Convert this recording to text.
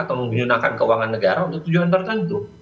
atau menggunakan keuangan negara untuk tujuan tertentu